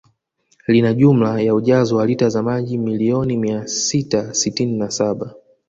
Lina jumla ya ujazo wa lita za maji milioni mia sita sitini na saba